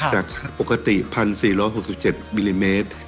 จากปกติ๑๔๖๗มิลลิเมตร